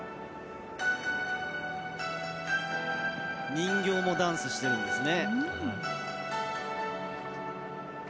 人形もダンスしているんですね。